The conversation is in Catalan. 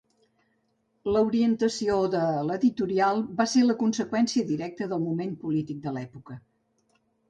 L'orientació de l'editorial va ser la conseqüència directa del moment polític de l'època.